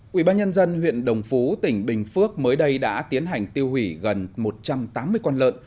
quỹ ban nhân dân huyện đồng phú tỉnh bình phước mới đây đã tiến hành tiêu hủy gần một trăm tám mươi con lợn